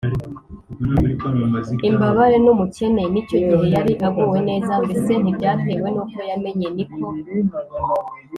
imbabare n umukene n Icyo gihe yari aguwe neza Mbese ntibyatewe n uko yamenye ni ko